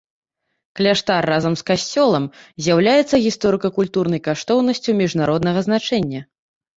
Кляштар разам з касцёлам з'яўляецца гісторыка-культурнай каштоўнасцю міжнароднага значэння.